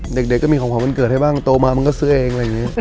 เด็กก็มีของมันเกิดให้บ้างก็โตมามันก็ซื้อเอง